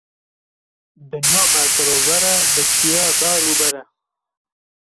Dinya me girover e bi çiya, dar û ber e.